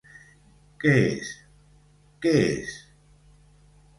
Què és, què és?